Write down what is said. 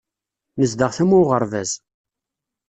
Nezdeɣ tama n uɣerbaz.